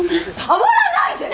触らないで！